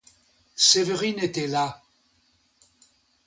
Séverine était là.